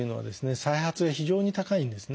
再発が非常に高いんですね。